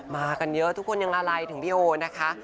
มากันเยอะทุกคนยังอะไรถึงพี่โอนะคะ